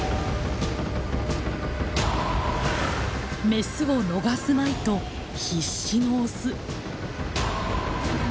メスを逃すまいと必死のオス。